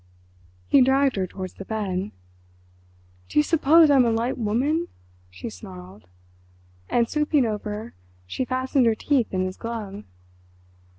He dragged her towards the bed. "Do you suppose I'm a light woman?" she snarled, and swooping over she fastened her teeth in his glove.